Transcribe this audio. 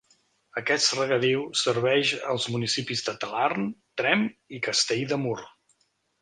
Aquest regadiu serveix els municipis de Talarn, Tremp i Castell de Mur.